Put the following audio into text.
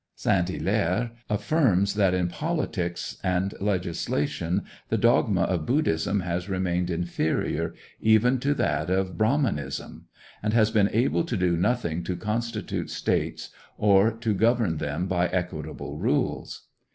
Saint Hilaire affirms that "in politics and legislation the dogma of Buddhism has remained inferior even to that of Brahmanism," and "has been able to do nothing to constitute states or to govern them by equitable rules."